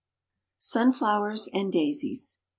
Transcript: SUNFLOWERS AND DAISIES.